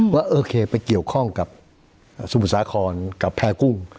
ว่าโอเคไปเกี่ยวข้องกับสมุทรสาครกับแพร่กุ้ง